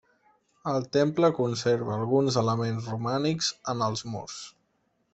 El temple conserva alguns elements romànics en els murs.